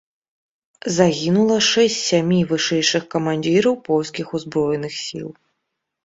Загінула шэсць з сямі вышэйшых камандзіраў польскіх узброеных сіл.